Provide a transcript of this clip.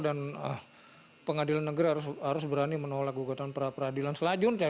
dan pengadilan negara harus berani menolak gugatan peraparadilan selanjutnya